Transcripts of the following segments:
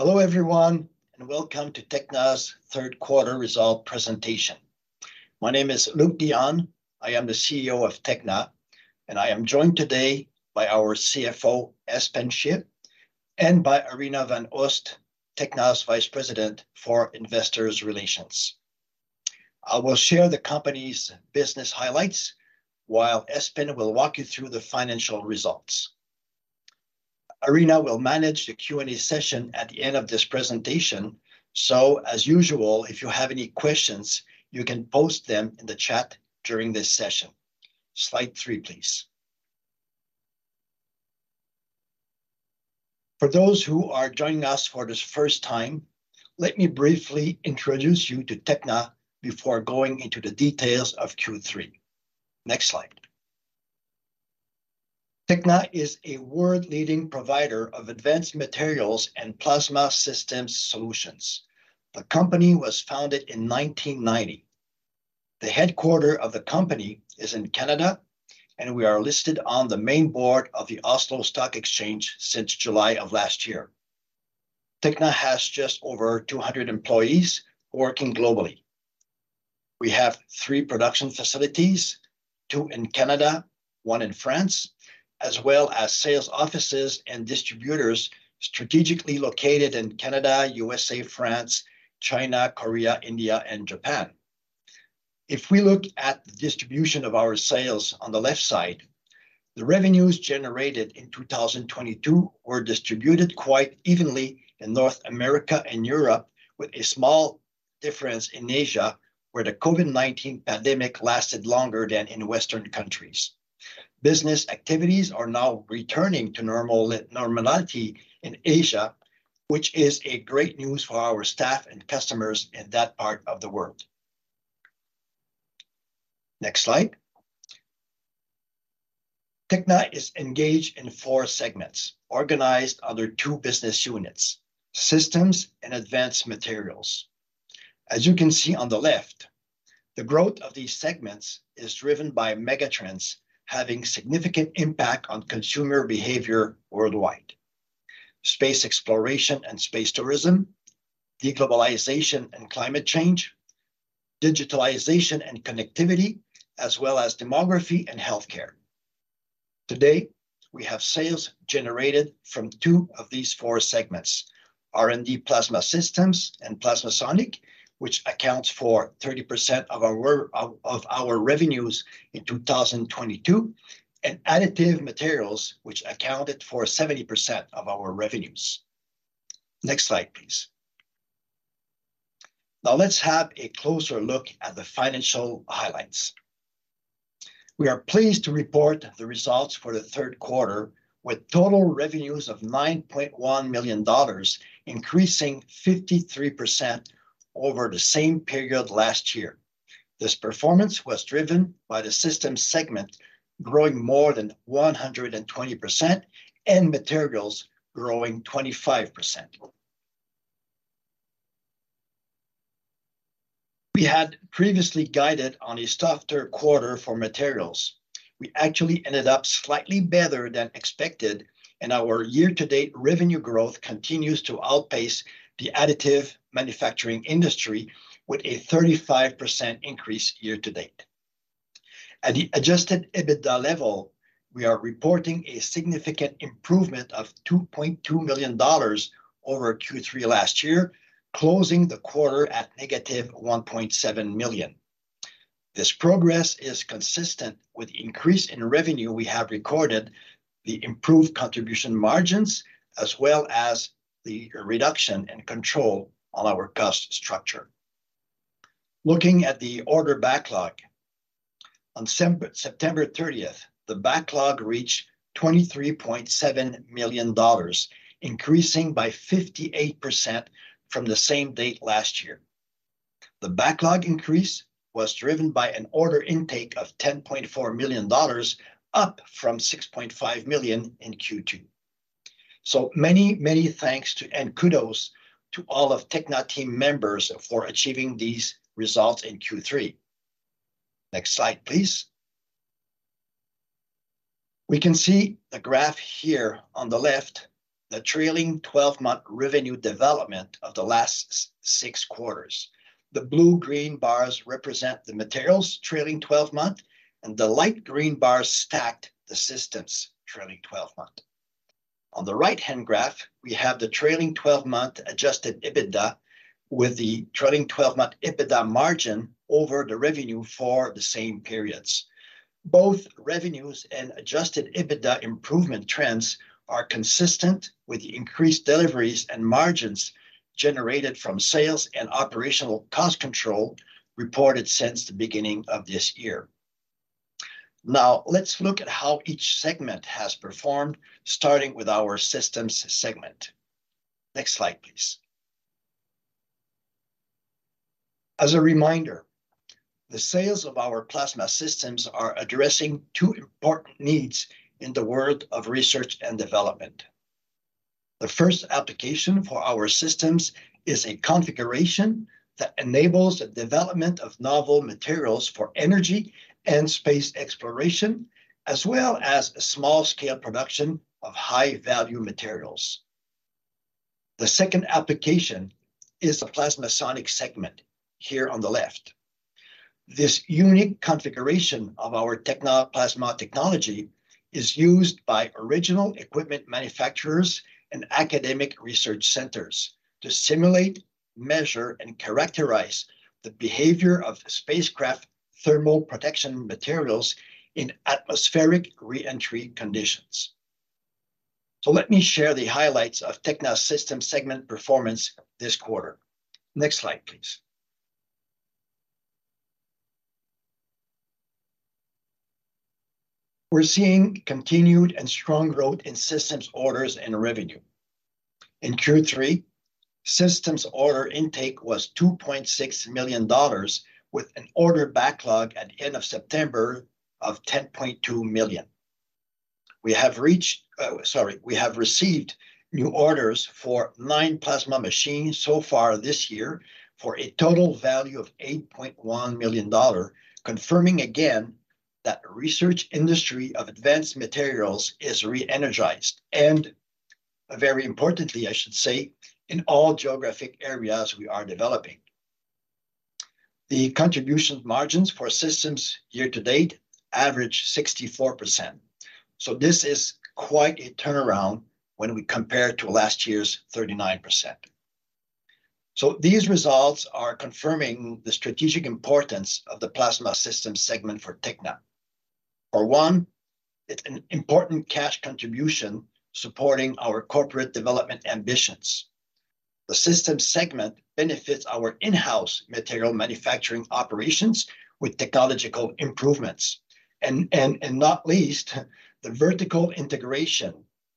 Hello everyone, and welcome to Tekna's third quarter result presentation. My name is Luc Dionne. I am the CEO of Tekna, and I am joined today by our CFO, Espen Schie, and by Arina van Oost, Tekna's Vice President for Investor Relations. I will share the company's business highlights, while Espen will walk you through the financial results. Arina will manage the Q&A session at the end of this presentation, so, as usual, if you have any questions, you can post them in the chat during this session. Slide 3, please. For those who are joining us for this first time, let me briefly introduce you to Tekna before going into the details of Q3. Next slide. Tekna is a world-leading provider of Advanced Materials and plasma Systems solutions. The company was founded in 1990. The headquarters of the company is in Canada, and we are listed on the main board of the Oslo Stock Exchange since July of last year. Tekna has just over 200 employees working globally. We have three production facilities, two in Canada, one in France, as well as sales offices and distributors strategically located in Canada, USA, France, China, Korea, India, and Japan. If we look at the distribution of our sales on the left side, the revenues generated in 2022 were distributed quite evenly in North America and Europe, with a small difference in Asia, where the COVID-19 pandemic lasted longer than in Western countries. Business activities are now returning to normal, normality in Asia, which is a great news for our staff and customers in that part of the world. Next slide. Tekna is engaged in four segments, organized under two business units: Systems and Advanced Materials. As you can see on the left, the growth of these segments is driven by megatrends, having significant impact on consumer behavior worldwide. Space Exploration and Space Tourism, Deglobalization and Climate Change, Digitalization and Connectivity, as well as Demography and Healthcare. Today, we have sales generated from two of these four segments: R&D Plasma Systems and PlasmaSonic, which accounts for 30% of our revenues in 2022, and Additive Materials, which accounted for 70% of our revenues. Next slide, please. Now, let's have a closer look at the financial highlights. We are pleased to report the results for the third quarter, with total revenues of 9.1 million dollars, increasing 53% over the same period last year. This performance was driven by the System segment, growing more than 120% and Materials growing 25%. We had previously guided on a softer quarter for materials. We actually ended up slightly better than expected, and our year-to-date revenue growth continues to outpace the Additive Manufacturing industry with a 35% increase year-to-date. At the Adjusted EBITDA level, we are reporting a significant improvement of 2.2 million dollars over Q3 last year, closing the quarter at -1.7 million. This progress is consistent with the increase in revenue we have recorded, the improved contribution margins, as well as the reduction and control on our cost structure. Looking at the order backlog, on September 30th, the backlog reached 23.7 million dollars, increasing by 58% from the same date last year. The backlog increase was driven by an order intake of 10.4 million dollars, up from 6.5 million in Q2. So many, many thanks to, and kudos to all of Tekna team members for achieving these results in Q3. Next slide, please. We can see the graph here on the left, the trailing 12-month revenue development of the last six quarters. The blue-green bars represent the materials trailing 12-month, and the light green bars stacked the Systems trailing 12-month. On the right-hand graph, we have the trailing 12-month adjusted EBITDA, with the trailing 12-month EBITDA margin over the revenue for the same periods. Both revenues and adjusted EBITDA improvement trends are consistent with the increased deliveries and margins generated from sales and operational cost control reported since the beginning of this year. Now, let's look at how each segment has performed, starting with our Systems segment. Next slide, please. As a reminder, the sales of our Plasma Systems are addressing two important needs in the world of research and development. The first application for our Systems is a configuration that enables the development of novel materials for Energy and Space exploration, as well as a small-scale production of high-value materials. The second application is the PlasmaSonic segment here on the left. This unique configuration of our Tekna plasma technology is used by original equipment manufacturers and academic research centers to simulate, measure, and characterize the behavior of Spacecraft Thermal Protection Materials in atmospheric re-entry conditions. So let me share the highlights of Tekna Systems segment performance this quarter. Next slide, please. We're seeing continued and strong growth in Systems orders and revenue. In Q3, Systems order intake was 2.6 million dollars, with an order backlog at the end of September of 10.2 million. We have received new orders for nine plasma machines so far this year, for a total value of 8.1 million dollar, confirming again that the research industry of Advanced Materials is re-energized, and very importantly, I should say, in all geographic areas we are developing. The contribution margins for Systems year-to-date average 64%. So this is quite a turnaround when we compare it to last year's 39%. So these results are confirming the strategic importance of the Plasma System segment for Tekna. For one, it's an important cash contribution supporting our corporate development ambitions. The Systems segment benefits our in-house Material manufacturing operations with technological improvements, and not least, the vertical integration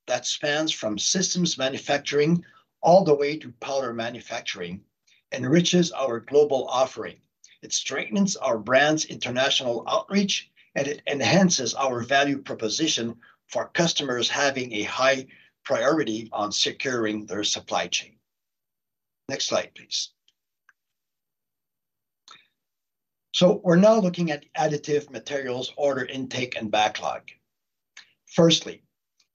that spans from Systems manufacturing all the way to powder manufacturing enriches our global offering. It strengthens our brand's international outreach, and it enhances our value proposition for customers having a high priority on securing their supply chain. Next slide, please. So we're now looking at Additive Materials, order intake, and backlog. Firstly,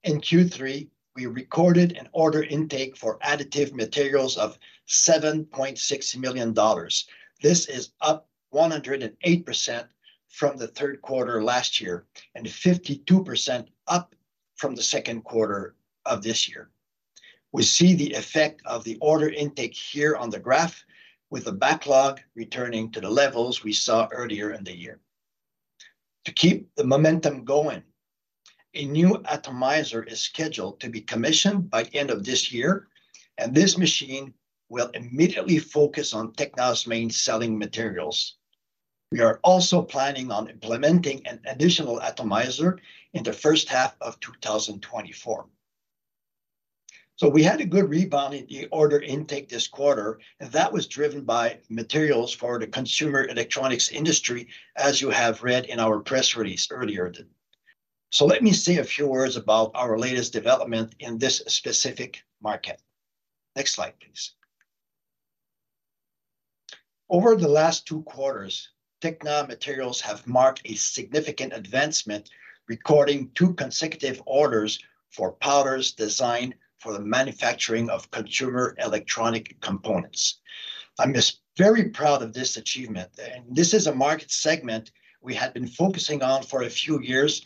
in Q3, we recorded an order intake for Additive Materials of 7.6 million dollars. This is up 108% from the third quarter last year and 52% up from the second quarter of this year. We see the effect of the order intake here on the graph, with the backlog returning to the levels we saw earlier in the year. To keep the momentum going, a new atomizer is scheduled to be commissioned by end of this year, and this machine will immediately focus on Tekna's main selling materials. We are also planning on implementing an additional atomizer in the first half of 2024. So we had a good rebound in the order intake this quarter, and that was driven by materials for the consumer electronics industry, as you have read in our press release earlier today. So let me say a few words about our latest development in this specific market. Next slide, please. Over the last two quarters, Tekna aterials have marked a significant advancement, recording two consecutive orders for powders designed for the manufacturing of consumer electronic components. I'm just very proud of this achievement, and this is a market segment we had been focusing on for a few years,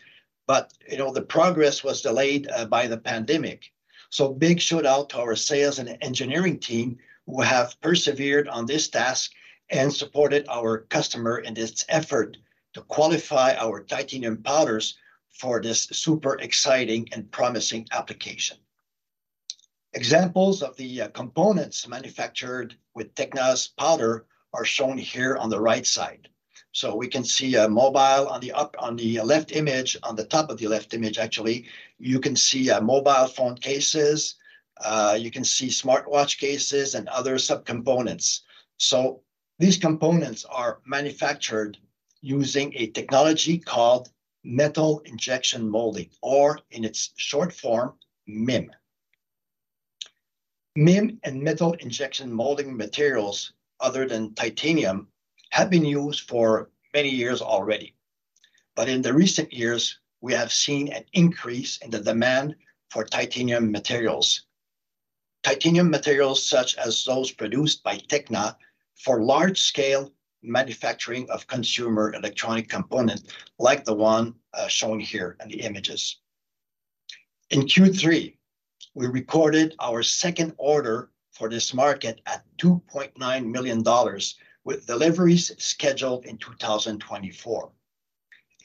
but you know, the progress was delayed by the pandemic. So big shout out to our sales and engineering team, who have persevered on this task and supported our customer in this effort to qualify our titanium powders for this super exciting and promising application. Examples of the components manufactured with Tekna's powder are shown here on the right side. So we can see a mobile on the up, on the left image, on the top of the left image, actually, you can see mobile phone cases, you can see smartwatch cases and other sub-components. So these components are manufactured using a technology called Metal Injection Molding, or in its short form, MIM. MIM and Metal Injection Molding materials other than titanium have been used for many years already. But in the recent years, we have seen an increase in the demand for titanium materials. Titanium materials, such as those produced by Tekna, for large-scale manufacturing of consumer electronic components, like the one shown here in the images. In Q3, we recorded our second order for this market at 2.9 million dollars, with deliveries scheduled in 2024.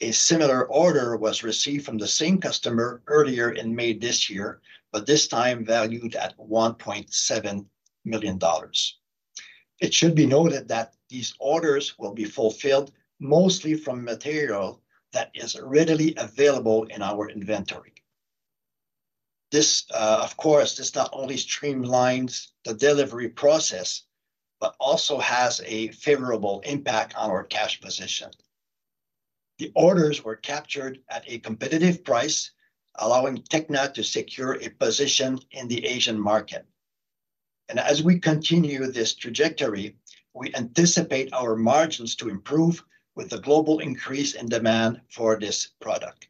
A similar order was received from the same customer earlier in May this year, but this time valued at 1.7 million dollars. It should be noted that these orders will be fulfilled mostly from material that is readily available in our inventory. This, of course, not only streamlines the delivery process, but also has a favorable impact on our cash position. The orders were captured at a competitive price, allowing Tekna to secure a position in the Asian market. As we continue this trajectory, we anticipate our margins to improve with the global increase in demand for this product.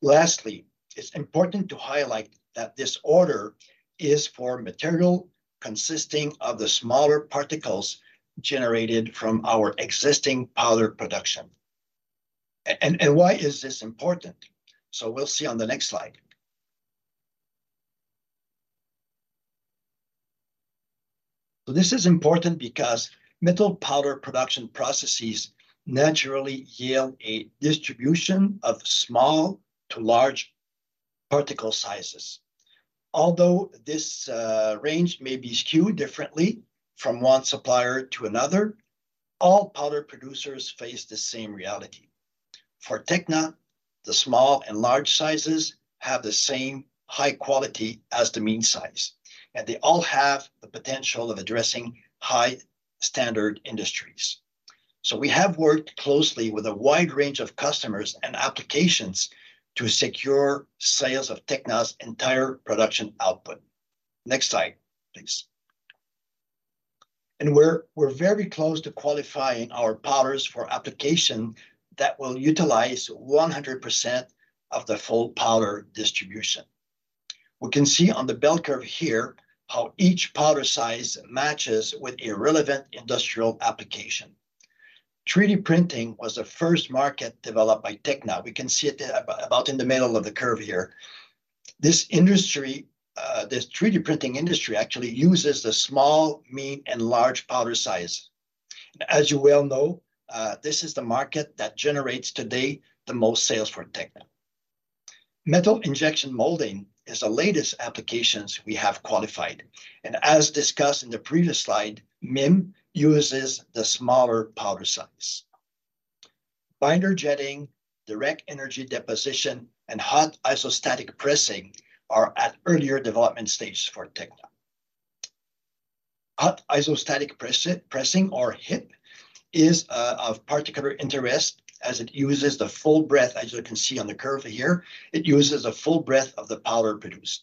Lastly, it's important to highlight that this order is for material consisting of the smaller particles generated from our existing powder production. And why is this important? We'll see on the next slide. This is important because metal powder production processes naturally yield a distribution of small to large particle sizes. Although this range may be skewed differently from one supplier to another, all powder producers face the same reality. For Tekna, the small and large sizes have the same high quality as the mean size, and they all have the potential of addressing high standard industries. So we have worked closely with a wide range of customers and applications to secure sales of Tekna's entire production output. Next slide, please. We're very close to qualifying our powders for application that will utilize 100% of the full powder distribution. We can see on the bell curve here, how each powder size matches with a relevant industrial application. 3D printing was the first market developed by Tekna. We can see it at about in the middle of the curve here. This industry, this 3D printing industry actually uses the small, mean, and large powder size. As you well know, this is the market that generates today the most sales for Tekna. Metal injection molding is the latest applications we have qualified, and as discussed in the previous slide, MIM uses the smaller powder size. Binder Jetting, Direct Energy Deposition, and Hot Isostatic Pressing are at earlier development stages for Tekna. Hot Isostatic Pressing or HIP is of particular interest as it uses the full breadth, as you can see on the curve here, it uses the full breadth of the powder produced.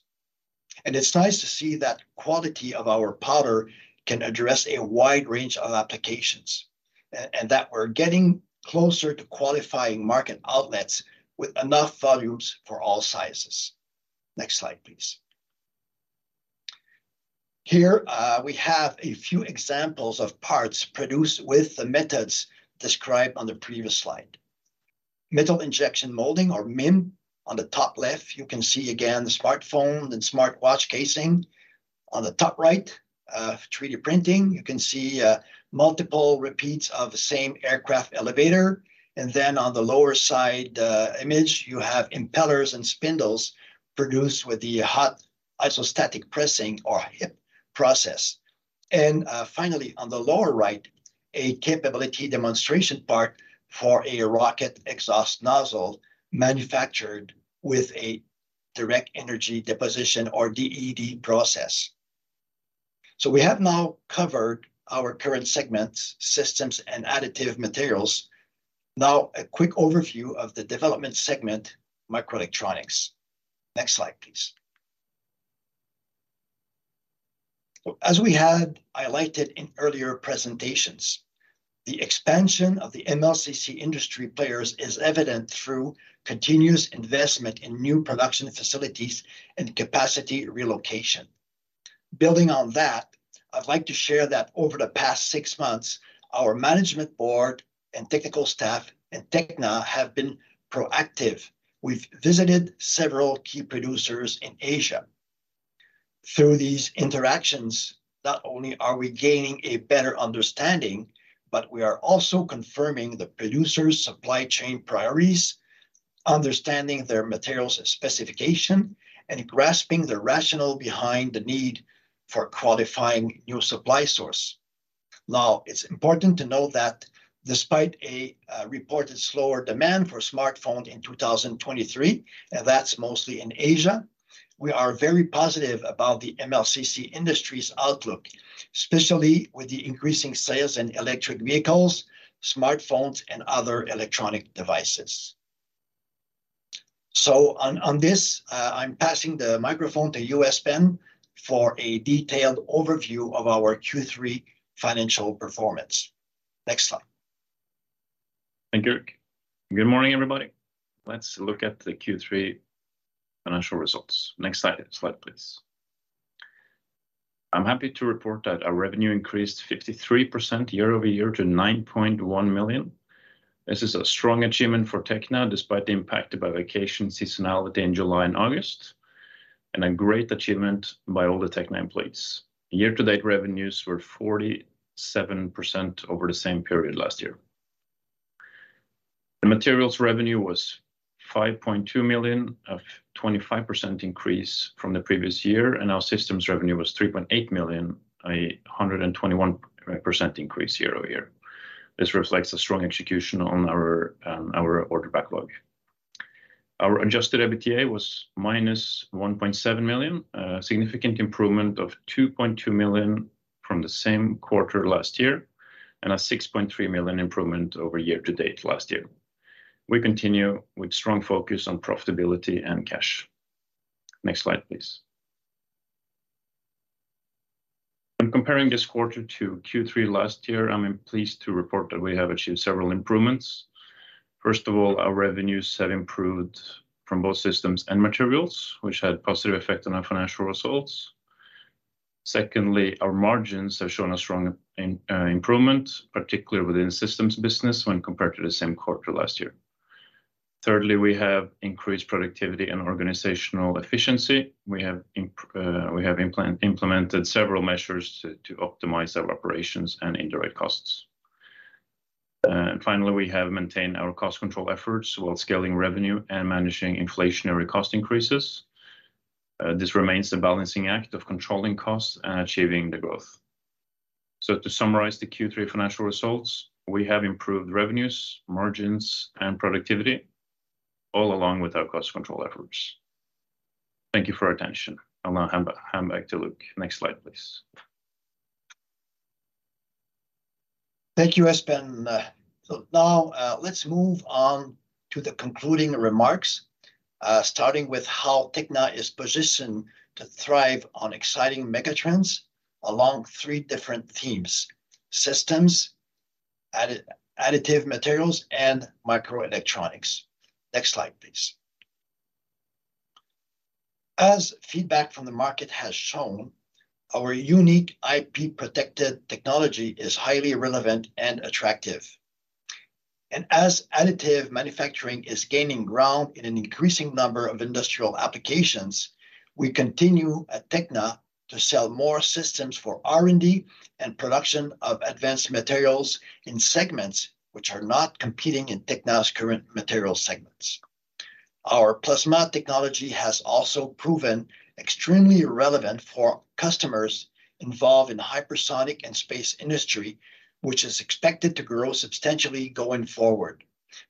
It's nice to see that quality of our powder can address a wide range of applications, and that we're getting closer to qualifying market outlets with enough volumes for all sizes. Next slide, please. Here, we have a few examples of parts produced with the methods described on the previous slide. Metal Injection Molding, or MIM, on the top left, you can see again, the smartphone and smartwatch casing. On the top right, 3D printing, you can see multiple repeats of the same aircraft elevator. And then on the lower side, image, you have impellers and spindles produced with the Hot Isostatic Pressing or HIP process. And finally, on the lower right, a capability demonstration part for a rocket exhaust nozzle manufactured with a Direct Energy Deposition or DED process. So we have now covered our current segments, Systems, and Additive Materials. Now, a quick overview of the Development segment, Microelectronics. Next slide, please. As we had highlighted in earlier presentations, the expansion of the MLCC industry players is evident through continuous investment in new production facilities and capacity relocation. Building on that, I'd like to share that over the past six months, our management board and technical staff at Tekna have been proactive. We've visited several key producers in Asia. Through these interactions, not only are we gaining a better understanding, but we are also confirming the producer's supply chain priorities, understanding their materials specification, and grasping the rationale behind the need for qualifying new supply source. Now, it's important to note that despite a reported slower demand for smartphone in 2023, and that's mostly in Asia, we are very positive about the MLCC industry's outlook, especially with the increasing sales in electric vehicles, smartphones, and other electronic devices. So, on this, I'm passing the microphone to Espen for a detailed overview of our Q3 financial performance. Next slide. Thank you, Eric. Good morning, everybody. Let's look at the Q3 financial results. Next slide, please. I'm happy to report that our revenue increased 53% year-over-year to 9.1 million. This is a strong achievement for Tekna, despite the impact by vacation seasonality in July and August, and a great achievement by all the Tekna employees. Year-to-date revenues were 47% over the same period last year. The Materials revenue was 5.2 million, a 25% increase from the previous year, and our Systems revenue was 3.8 million, a 121% increase year-over-year. This reflects a strong execution on our order backlog. Our adjusted EBITDA was -1.7 million, a significant improvement of 2.2 million from the same quarter last year, and a 6.3 million improvement over year-to-date last year. We continue with strong focus on profitability and cash. Next slide, please. When comparing this quarter to Q3 last year, I'm pleased to report that we have achieved several improvements. First of all, our revenues have improved from both Systems and Materials, which had a positive effect on our financial results. Secondly, our margins have shown a strong improvement, particularly within the Systems business when compared to the same quarter last year. Thirdly, we have increased productivity and organizational efficiency. We have implemented several measures to optimize our operations and indirect costs. Finally, we have maintained our cost control efforts while scaling revenue and managing inflationary cost increases. This remains a balancing act of controlling costs and achieving the growth. To summarize the Q3 financial results, we have improved revenues, margins, and productivity, all along with our cost control efforts. Thank you for your attention. I'll now hand back to Luc. Next slide, please. Thank you, Espen. So now, let's move on to the concluding remarks, starting with how Tekna is positioned to thrive on exciting megatrends along three different themes: Systems, Additive Materials, and Microelectronics. Next slide, please. As feedback from the market has shown, our unique IP-protected technology is highly relevant and attractive. And as additive manufacturing is gaining ground in an increasing number of industrial applications, we continue at Tekna to sell more Systems for R&D and production of Advanced Materials in segments which are not competing in Tekna's current Materials segments. Our plasma technology has also proven extremely relevant for customers involved in hypersonic and space industry, which is expected to grow substantially going forward,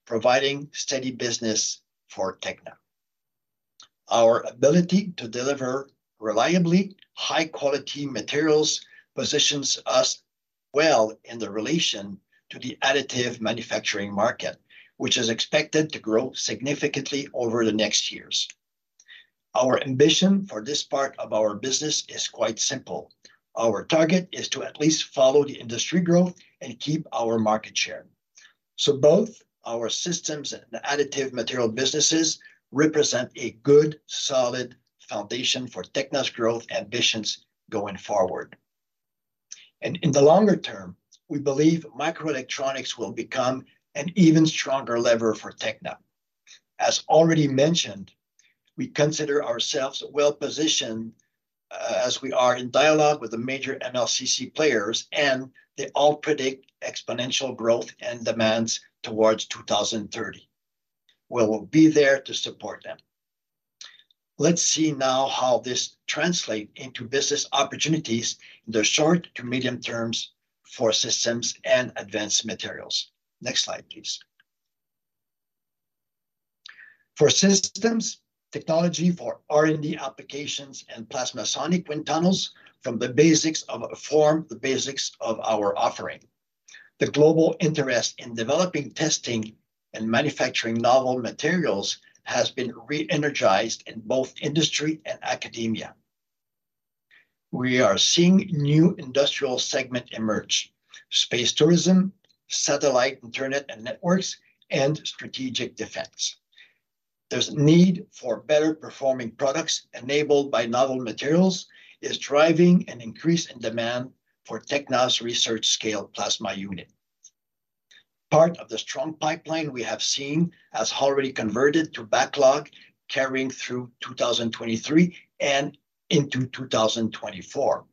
providing steady business for Tekna. Our ability to deliver reliably high-quality materials positions us well in the relation to the Additive Manufacturing market, which is expected to grow significantly over the next years. Our ambition for this part of our business is quite simple. Our target is to at least follow the industry growth and keep our market share. So both our Systems and Additive Material businesses represent a good, solid foundation for Tekna's growth ambitions going forward. And in the longer term, we believe Microelectronics will become an even stronger lever for Tekna. As already mentioned, we consider ourselves well-positioned, as we are in dialogue with the major MLCC players, and they all predict exponential growth and demands towards 2030. We will be there to support them. Let's see now how this translate into business opportunities in the short to medium terms for Systems and Advanced Materials. Next slide, please. For Systems technology for R&D applications and PlasmaSonic wind tunnels, from the basics of a form, the basics of our offering. The global interest in developing, testing, and manufacturing novel materials has been re-energized in both industry and academia. We are seeing new industrial segment emerge: Space Tourism, Satellite, Internet, & Networks, and Strategic Defense. There's need for better performing products enabled by novel materials, is driving an increase in demand for Tekna's research-scale plasma unit. Part of the strong pipeline we have seen has already converted to backlog, carrying through 2023 and into 2024.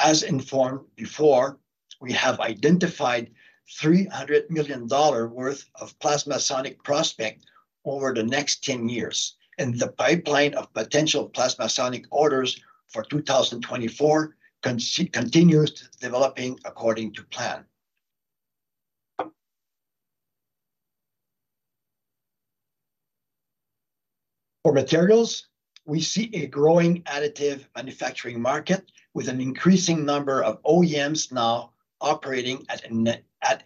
As informed before, we have identified 300 million dollar worth of PlasmaSonic prospect over the next 10 years, and the pipeline of potential PlasmaSonic orders for 2024 continues developing according to plan. For Materials, we see a growing Additive Manufacturing market with an increasing number of OEMs now operating at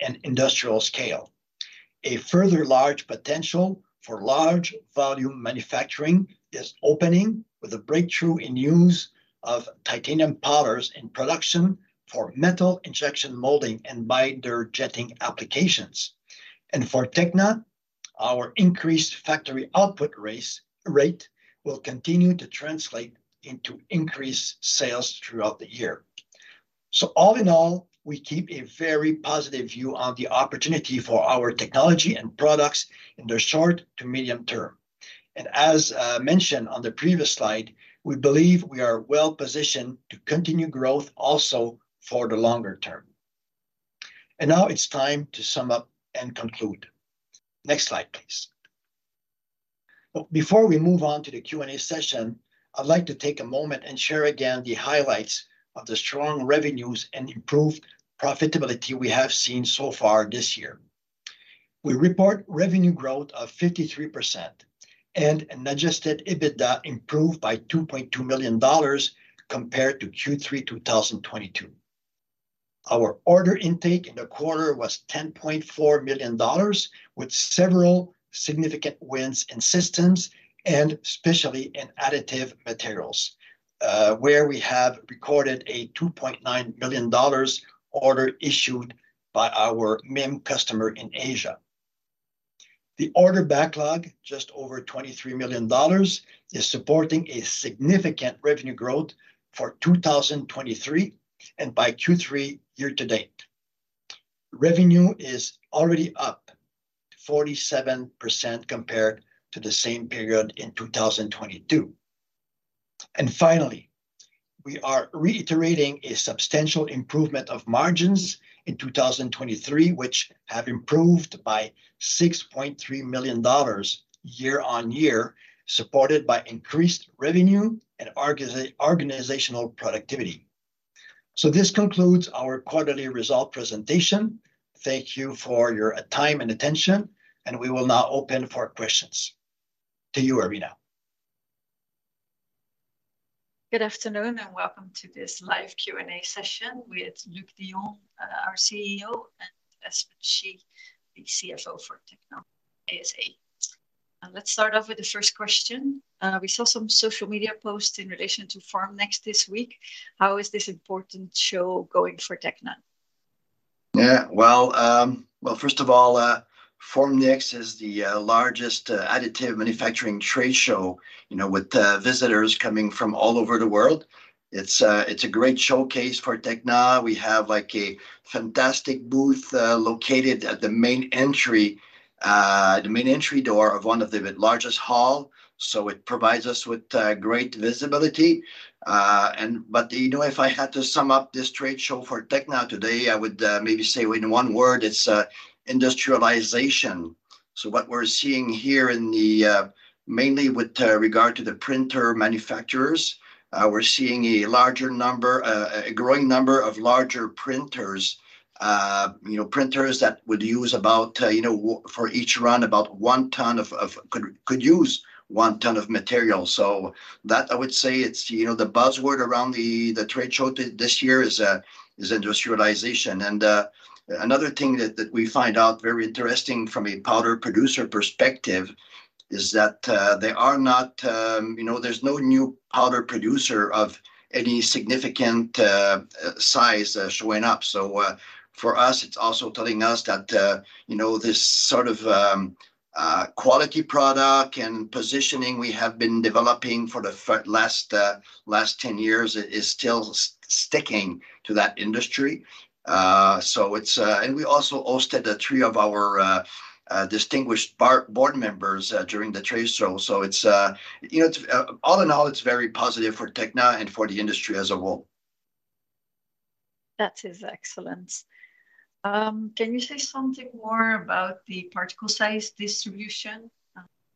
an industrial scale. A further large potential for large volume manufacturing is opening with a breakthrough in use of titanium powders in production for Metal Injection Molding and Binder Jetting Applications. And for Tekna, our increased factory output rate will continue to translate into increased sales throughout the year. So all in all, we keep a very positive view on the opportunity for our technology and products in the short to medium term. And as mentioned on the previous slide, we believe we are well positioned to continue growth also for the longer term. And now it's time to sum up and conclude. Next slide, please. But before we move on to the Q&A session, I'd like to take a moment and share again the highlights of the strong revenues and improved profitability we have seen so far this year. We report revenue growth of 53% and an adjusted EBITDA improved by 2.2 million dollars compared to Q3 2022. Our order intake in the quarter was 10.4 million dollars, with several significant wins in Systems and especially in Additive Materials, where we have recorded a 2.9 million dollars order issued by our main customer in Asia. The order backlog, just over 23 million dollars, is supporting a significant revenue growth for 2023, and by Q3, year-to-date. Revenue is already up 47% compared to the same period in 2022. Finally, we are reiterating a substantial improvement of margins in 2023, which have improved by 6.3 million dollars year-on-year, supported by increased revenue and organizational productivity. This concludes our quarterly result presentation. Thank you for your time and attention, and we will now open for questions. To you, Arina. Good afternoon, and welcome to this live Q&A session with Luc Dionne, our CEO, and Espen Schie, the CFO for Tekna Holding ASA. Let's start off with the first question. We saw some social media posts in relation to Formnext this week. How is this important show going for Tekna? Yeah, well, well, first of all, Formnext is the largest Additive Manufacturing trade show, you know, with visitors coming from all over the world. It's a, it's a great showcase for Tekna. We have, like, a fantastic booth, located at the main entry, the main entry door of one of the largest hall. So it provides us with great visibility. And but, you know, if I had to sum up this trade show for Tekna today, I would maybe say in one word, it's industrialization. So what we're seeing here in the mainly with regard to the printer manufacturers, we're seeing a larger number, a growing number of larger printers. You know, printers that would use about, you know, for each run, about one ton of, of... Could use one ton of material. So that I would say it's, you know, the buzzword around the trade show this year is industrialization. And another thing that we find out very interesting from a powder producer perspective is that, you know, there's no new powder producer of any significant size showing up. So for us, it's also telling us that, you know, this sort of quality product and positioning we have been developing for the last 10 years is still sticking to that industry. So it's, and we also hosted 3 of our distinguished board members during the trade show. So it's, you know, it's, all in all, it's very positive for Tekna and for the industry as a whole. That is excellent. Can you say something more about the particle size distribution?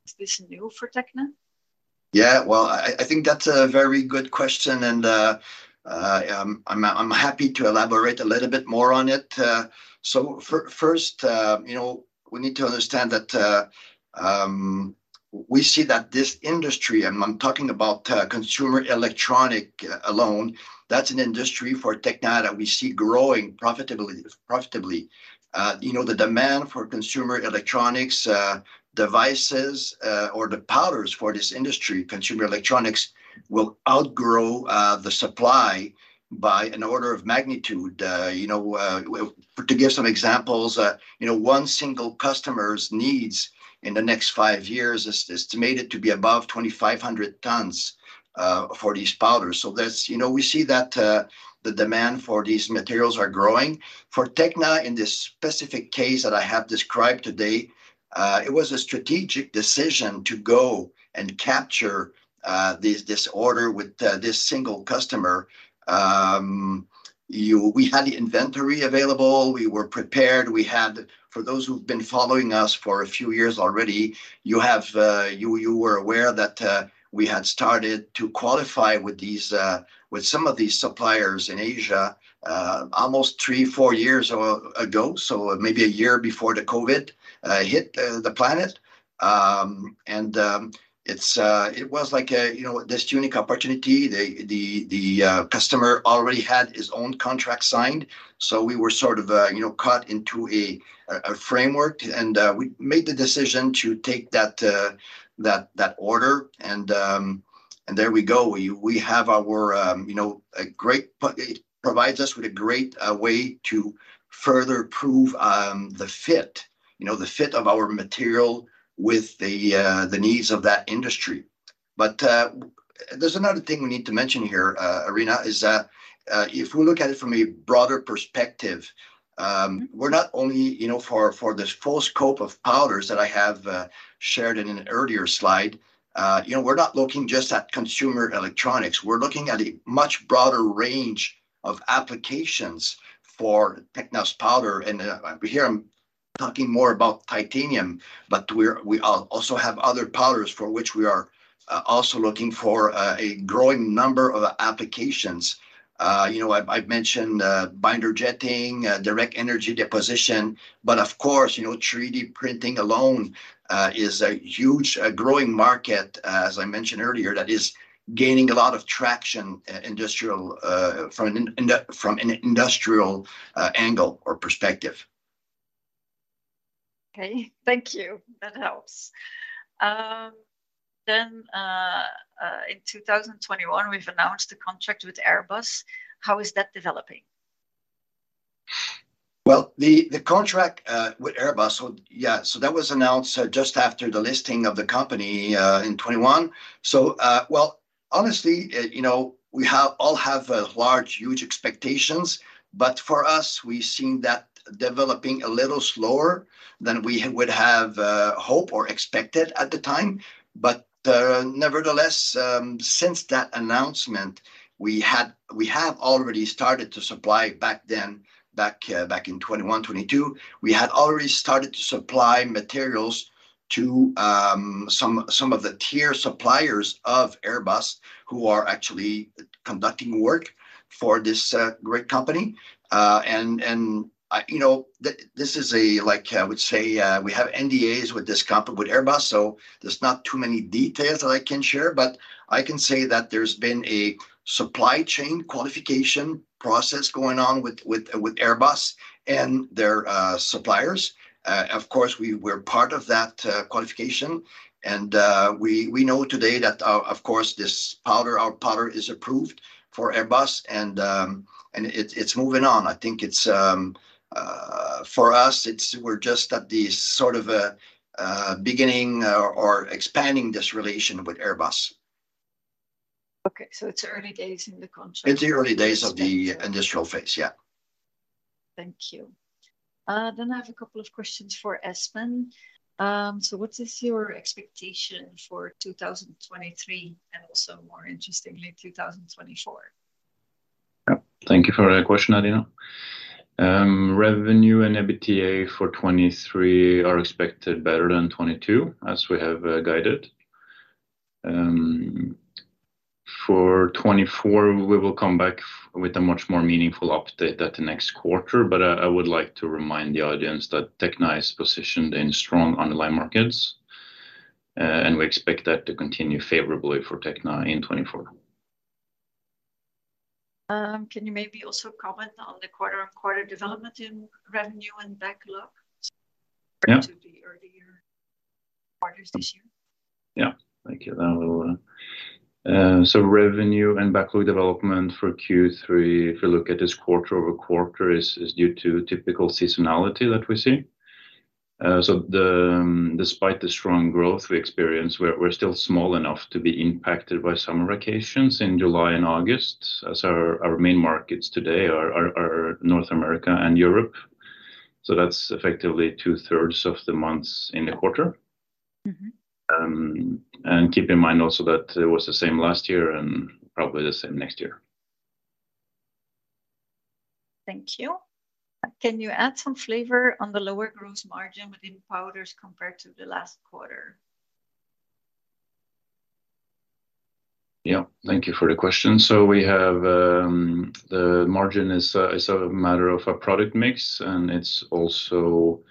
Is this new for Tekna? Yeah, well, I think that's a very good question, and I'm happy to elaborate a little bit more on it. So first, you know, we need to understand that we see that this industry, and I'm talking about Consumer Electronics alone, that's an industry for Tekna that we see growing profitability, profitably. You know, the demand for Consumer Electronics devices, or the powders for this industry, Consumer Electronics, will outgrow the supply by an order of magnitude. You know, to give some examples, you know, one single customer's needs in the next five years is estimated to be above 2,500 tons for these powders. So that's, you know, we see that the demand for these materials are growing. For Tekna, in this specific case that I have described today, it was a strategic decision to go and capture this order with this single customer. We had the inventory available. We were prepared. We had, for those who've been following us for a few years already, you were aware that we had started to qualify with these, with some of these suppliers in Asia, almost three or four years ago, so maybe a year before the Covid hit the planet. It was like a, you know, this unique opportunity. The customer already had his own contract signed, so we were sort of, you know, cut into a framework, and we made the decision to take that order. And there we go. We have our, you know, it provides us with a great way to further prove, you know, the fit of our material with the needs of that industry. But there's another thing we need to mention here, Arina, is that, if we look at it from a broader perspective, we're not only, you know, for this full scope of powders that I have shared in an earlier slide, you know, we're not looking just at Consumer Electronics. We're looking at a much broader range of applications for Tekna's powder, and here I'm talking more about titanium, but we also have other powders for which we are also looking for a growing number of applications. You know, I've mentioned Binder Jetting, Direct Energy Deposition, but of course, you know, 3D printing alone is a huge growing market, as I mentioned earlier, that is gaining a lot of traction from an industrial angle or perspective. Okay, thank you. That helps. Then, in 2021, we've announced a contract with Airbus. How is that developing? Well, the contract with Airbus, so yeah, so that was announced just after the listing of the company in 2021. So, well, honestly, you know, we have all have large, huge expectations, but for us, we've seen that developing a little slower than we would have hoped or expected at the time. But, nevertheless, since that announcement, we had- we have already started to supply back then, back in 2021, 2022, we had already started to supply materials to some of the tier suppliers of Airbus, who are actually conducting work for this great company. And I, you know, this is like, I would say, we have NDAs with this company, with Airbus, so there's not too many details that I can share, but I can say that there's been a supply chain qualification process going on with Airbus and their suppliers. Of course, we were part of that qualification, and we know today that, of course, this powder, our powder is approved for Airbus, and it, it's moving on. I think it's for us, it's we're just at the sort of a beginning or expanding this relation with Airbus. Okay. So it's early days in the contract- It's the early days of the- Yeah... initial phase. Yeah. Thank you. I have a couple of questions for Espen. What is your expectation for 2023, and also more interestingly, 2024? Yeah. Thank you for that question, Arina. Revenue and EBITDA for 2023 are expected better than 2022, as we have guided. For 2024, we will come back with a much more meaningful update at the next quarter, but I would like to remind the audience that Tekna is positioned in strong underlying markets, and we expect that to continue favorably for Tekna in 2024. Can you maybe also comment on the quarter-on-quarter development in revenue and backlog? Yeah -compared to the earlier quarters this year? Yeah. Thank you. That will, so revenue and backlog development for Q3, if you look at this quarter-over-quarter, is due to typical seasonality that we see. So, despite the strong growth we experience, we're still small enough to be impacted by summer vacations in July and August, as our main markets today are North America and Europe. So that's effectively 2/3 of the months in the quarter. Mm-hmm. Keep in mind also that it was the same last year and probably the same next year. Thank you. Can you add some flavor on the lower gross margin within powders compared to the last quarter? Yeah. Thank you for the question. So we have the margin is a matter of a product mix, and it's also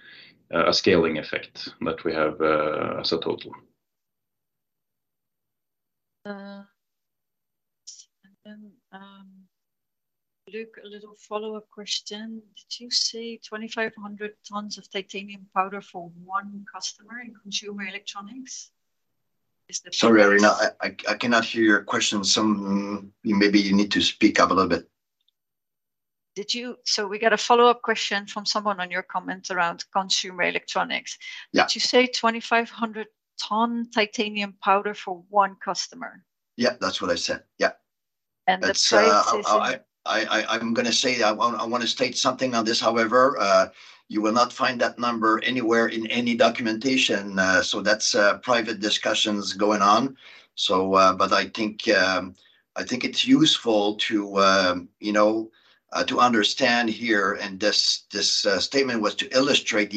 a scaling effect that we have as a total. And then, Luc, a little follow-up question. Did you say 2,500 tons of titanium powder for one customer in Consumer Electronics? Is the- Sorry, Arina, I cannot hear your question. Maybe you need to speak up a little bit. So we got a follow-up question from someone on your comments around Consumer Electronics. Yeah. Did you say 2,500 tons titanium powder for one customer? Yeah, that's what I said. Yeah. And the price is- That's, I'm gonna say, I want to state something on this however, you will not find that number anywhere in any documentation, so that's private discussions going on. But I think it's useful to, you know, to understand here, and this statement was to illustrate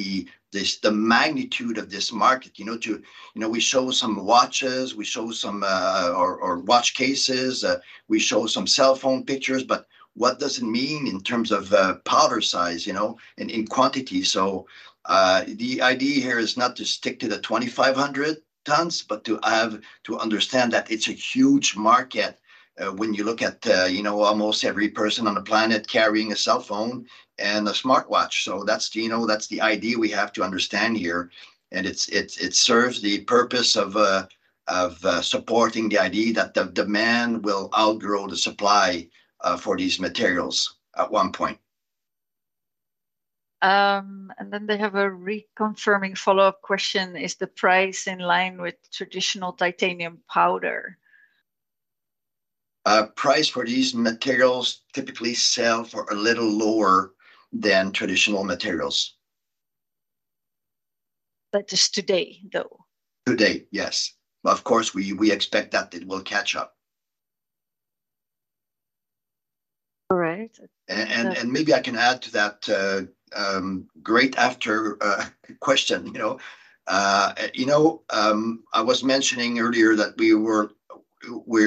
the magnitude of this market. You know, to, you know, we show some watches, we show some or watch cases, we show some cell phone pictures, but what does it mean in terms of powder size, you know, and in quantity? So, the idea here is not to stick to the 2,500 tons, but to have, to understand that it's a huge market, when you look at, you know, almost every person on the planet carrying a cell phone and a smartwatch. So that's, you know, that's the idea we have to understand here, and it's, it, it serves the purpose of, of, supporting the idea that the demand will outgrow the supply, for these materials at one point. They have a reconfirming follow-up question: Is the price in line with traditional titanium powder? Price for these materials typically sell for a little lower than traditional materials. But just today, though? Today, yes. But of course, we expect that it will catch up. All right. Maybe I can add to that, great question, you know. You know, I was mentioning earlier that we're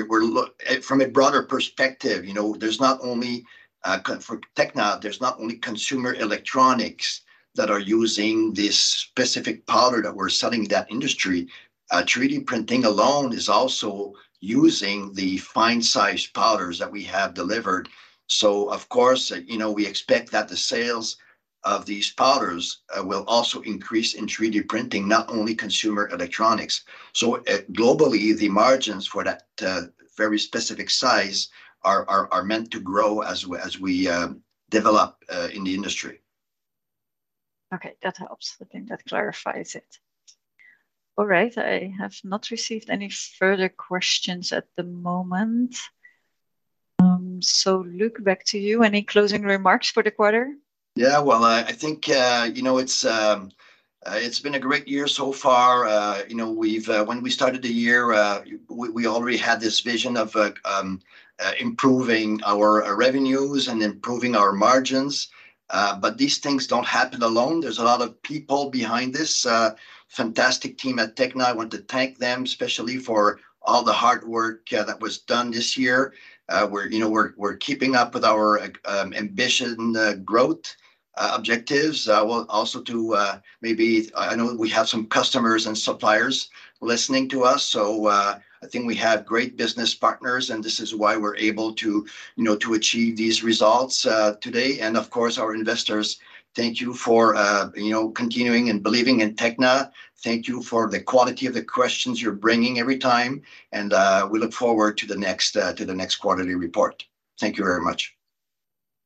looking from a broader perspective, you know, there's not only for Tekna, there's not only Consumer Electronics that are using this specific powder that we're selling to that industry. 3D printing alone is also using the fine-sized powders that we have delivered, so of course, you know, we expect that the sales of these powders will also increase in 3D printing, not only Consumer Electronics. So, globally, the margins for that very specific size are meant to grow as we develop in the industry. Okay, that helps. I think that clarifies it. All right. I have not received any further questions at the moment. So, Luc, back to you, any closing remarks for the quarter? Yeah, well, I, I think, you know, it's been a great year so far. You know, we've, when we started the year, we, we already had this vision of, improving our revenues and improving our margins. But these things don't happen alone. There's a lot of people behind this, fantastic team at Tekna. I want to thank them, especially for all the hard work, that was done this year. We're, you know, we're, we're keeping up with our, ambition, growth, objectives. Well, also to, maybe, I know we have some customers and suppliers listening to us, so, I think we have great business partners, and this is why we're able to, you know, to achieve these results, today. Of course, our investors, thank you for, you know, continuing and believing in Tekna. Thank you for the quality of the questions you're bringing every time, and we look forward to the next quarterly report. Thank you very much.